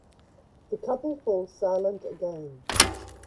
The couple falls silent again.